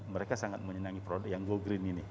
mereka sangat menyenangi produk yang go green ini